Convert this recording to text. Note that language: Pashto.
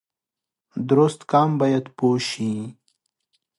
درست قام باید پوه شي